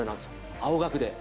青学で。